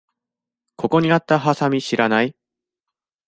ここにあったハサミ知らない？